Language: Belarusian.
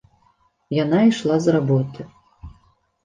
Яна ішла з работы.